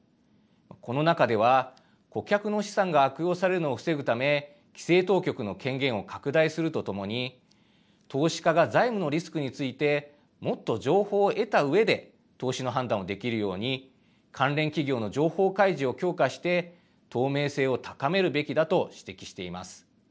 この中では顧客の資産が悪用されるのを防ぐため規制当局の権限を拡大するとともに投資家が財務のリスクについてもっと情報を得たうえで投資の判断をできるように関連企業の情報開示を強化して透明性を高めるべきだと指摘しています。